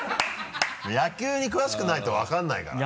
野球に詳しくないと分からないからね